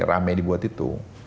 rame dibuat itu